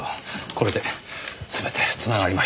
これで全て繋がりました。